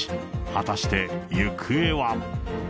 果たして行方は？